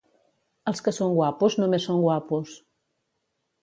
Els que són guapos només són guapos.